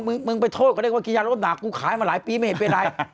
มึงมึงไปโทษกันด้วยว่าเกี่ยวกับยานรอบหนักกูขายมาหลายปีไม่เห็นเป็นไร